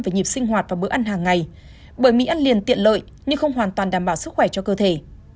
về nhịp sinh hoạt và bữa ăn hàng ngày bởi mỹ ăn liền tiện lợi nhưng không hoàn toàn đảm bảo sức khỏe cho cơ thể